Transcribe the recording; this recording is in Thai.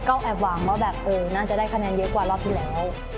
ก็แอบหวังว่าแบบน่าจะได้คะแนนเยอะกว่ารอบที่แล้ว